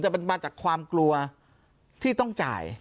แต่มันมาจากความกลัวที่ต้องจ่าย